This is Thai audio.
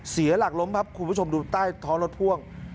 เสียหลักล้มครับคุณผู้ชมดูใต้ท้องรถพ่วง